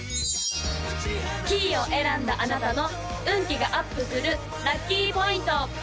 黄を選んだあなたの運気がアップするラッキーポイント！